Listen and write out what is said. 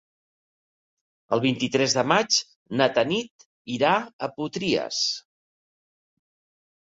El vint-i-tres de maig na Tanit irà a Potries.